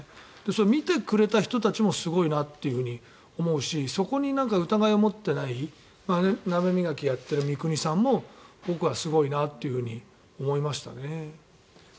見てくれた人たちもすごいなというふうに思うしそこに疑いを持っていない鍋磨きをやっている三國さんも僕はすごいなというふうに思いましたね。